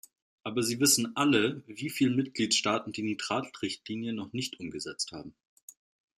Aber Sie wissen alle, wieviele Mitgliedstaaten die Nitrat-Richtlinie noch nicht umgesetzt haben.